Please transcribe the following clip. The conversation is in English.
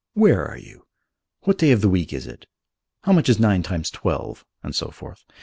Where are you? What day of the week is it? How much is nine times twelve?" and so forth.